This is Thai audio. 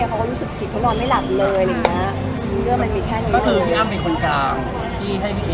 คือพี่อ้ำเป็นคนกลางที่ให้พีเอกับแมทย์ได้